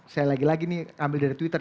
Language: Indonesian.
saya lagi lagi nih ambil dari twitter